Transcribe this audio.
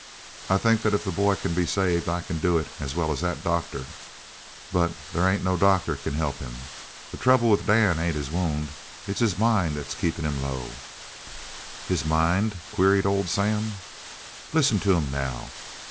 "I think that if the boy c'n be saved I c'n do it as well as that doctor. But there ain't no doctor c'n help him. The trouble with Dan ain't his wound it's his mind that's keepin' him low." "His mind?" queried old Sam. "Listen to him now.